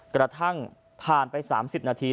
กระทั่งผ่านไป๓๐นาที